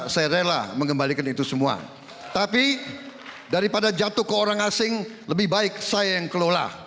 saya rela mengembalikan itu semua tapi daripada jatuh ke orang asing lebih baik saya yang kelola